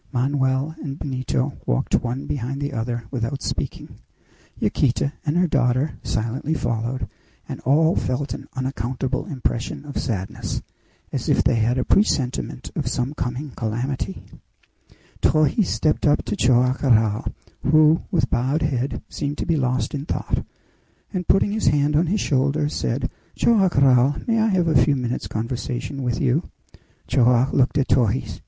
Manoel and Benito walked one behind the other without speaking. Yaquita and her daughter silently followed, and all felt an unaccountable impression of sadness, as if they had a presentiment of some coming calamity. Torres stepped up to Joam Garral, who, with bowed head, seemed to be lost in thought, and putting his hand on his shoulder, said, "Joam Garral, may I have a few minutes' conversation with you?" Joam looked at Torres.